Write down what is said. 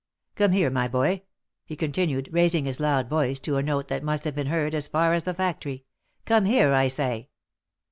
Come here, my boy, v he continued, raising his loud voice to a note that must have been heard as far as the factory, " come here, I say."